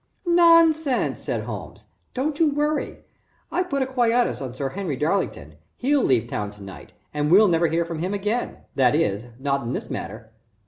"Nonsense," said Holmes. "Don't you worry. I put a quietus on Sir Henry Darlington. He'll leave town to night, and we'll never hear from him again that is, not in this matter."